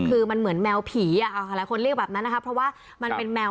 คือมันเหมือนแมวผีอ่ะหลายคนเรียกแบบนั้นนะคะเพราะว่ามันเป็นแมว